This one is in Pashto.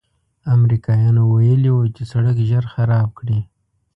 امریکایانو ویلي و چې سړک ژر خراب کړي.